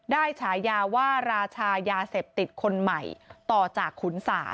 ฉายาว่าราชายาเสพติดคนใหม่ต่อจากขุน๓